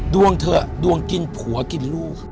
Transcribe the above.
ดวงเถอะดวงกินผัวกินลูก